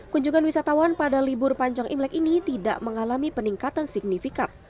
kunjungan wisatawan pada libur panjang imlek ini tidak mengalami peningkatan signifikan